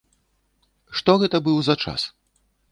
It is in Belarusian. Што гэта быў за час?